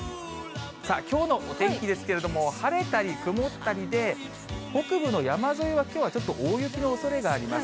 さあ、きょうのお天気ですけれども、晴れたり曇ったりで、北部の山沿いはきょうはちょっと大雪のおそれがあります。